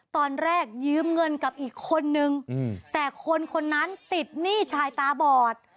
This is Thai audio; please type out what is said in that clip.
ตอนแรกยืมเงินกับอีกคนนึงแต่คนคนนั้นติดหนี้ชายตาบอด